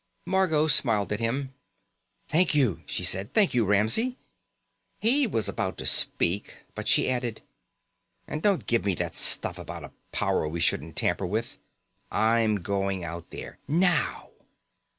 _ Margot smiled at him. "Thank you," she said. "Thank you, Ramsey." He was about to speak, but she added: "And don't give me that stuff about a power we shouldn't tamper with. I'm going out there. Now."